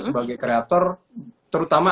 sebagai creator terutama